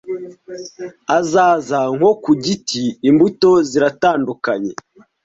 azaza nko ku giti imbuto ziratandukanye